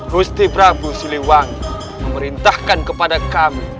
gusti prabu siliwang memerintahkan kepada kami